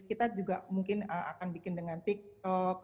kita juga mungkin akan bikin dengan tiktok